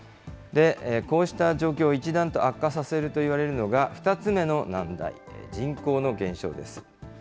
こうした状況を一段と悪化させるといわれるのが、２つ目の難題、人口の減少です。